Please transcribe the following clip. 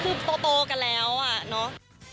คือโตกันแล้วอะเนาะ